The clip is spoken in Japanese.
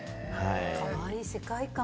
かわいい世界観。